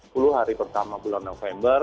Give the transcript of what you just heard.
sepuluh hari pertama bulan november